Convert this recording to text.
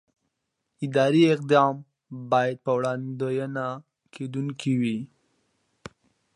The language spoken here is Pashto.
اداري اقدام باید وړاندوينه کېدونکی وي.